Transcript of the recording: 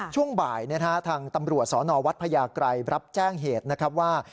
ช่วงบ่ายทางตำรวจสนวัดพญาไกรรับแจ้งเหตุนะครับว่า